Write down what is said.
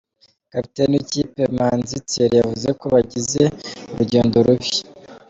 Kapiteni w’ikipe Manzi Thierry yavuze ko bagize urugendo rubi.